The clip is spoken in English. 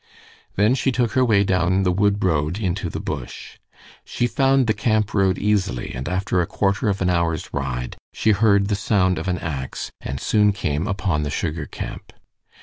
Then she took her way down the wood road into the bush. She found the camp road easily, and after a quarter of an hour's ride, she heard the sound of an ax, and soon came upon the sugar camp.